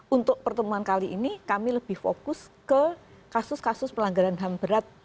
untuk pertemuan kali ini kami lebih fokus ke kasus kasus pelanggaran ham berat